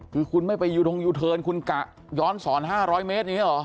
คือคุณไม่ไปยูทงยูเทิร์นคุณกะย้อนสอน๕๐๐เมตรอย่างนี้เหรอ